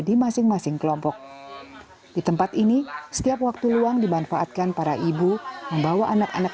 di masing masing kelompok di tempat ini setiap waktu luang dimanfaatkan para ibu membawa anak anak